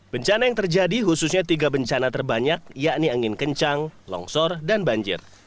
bencana yang terjadi khususnya tiga bencana terbanyak yakni angin kencang longsor dan banjir